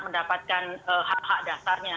mendapatkan hak hak dasarnya